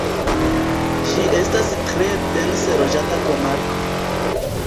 Ĝi estas tre dense loĝata komarko.